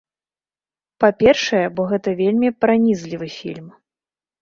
Па-першае, бо гэта вельмі пранізлівы фільм.